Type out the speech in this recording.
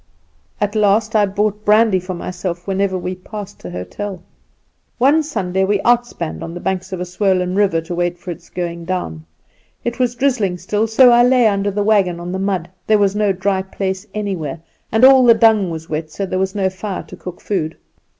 At last I bought brandy for myself whenever we passed an hotel. "One Sunday we outspanned on the banks of a swollen river to wait for its going down. It was drizzling still, so I lay under the wagon on the mud. There was no dry place anywhere; and all the dung was wet, so there was no fire to cook food.